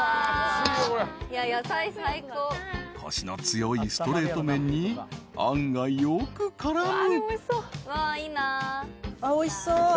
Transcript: ［コシの強いストレート麺にあんがよく絡む］